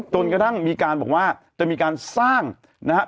จนกระทั่งมีการบอกว่าจะมีการสร้างนะครับ